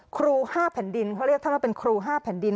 ครู๕แผ่นดินเขาเรียกท่านว่าเป็นครู๕แผ่นดิน